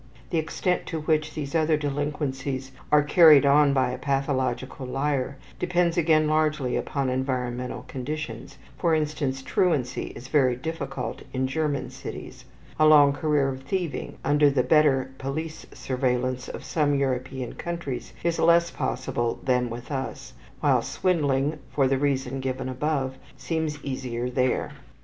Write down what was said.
The extent to which these other delinquencies are carried on by a pathological liar depends again largely upon environmental conditions for instance, truancy is very difficult in German cities; a long career of thieving, under the better police surveillance of some European countries, is less possible than with us; while swindling, for the reason given above, seems easier there.